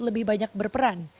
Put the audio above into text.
lebih banyak berperan